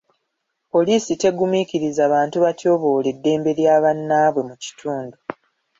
Poliisi tegumiikiriza bantu batyoboola eddembe lya bannabwe mu kitundu.